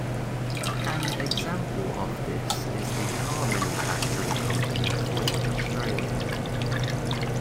An example of this is the car manufacturing company Ford Australia.